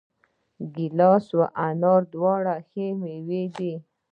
ګیلاس او انار دواړه ښه مېوې دي.